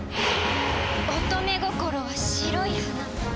乙女心は白い花。